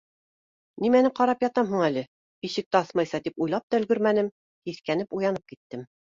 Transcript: Нимәне ҡарап ятам һуң әле ишекте асмайса, — тип уйлап та өлгөрмәнем, һиҫкәнеп уянып киттем.